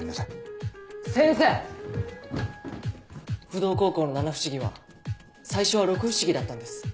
不動高校の七不思議は最初は六不思議だったんです。